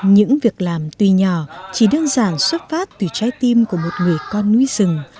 những việc làm tuy nhỏ chỉ đơn giản xuất phát từ trái tim của một người con núi rừng